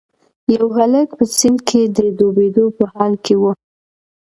یو هلک په سیند کې د ډوبیدو په حال کې و.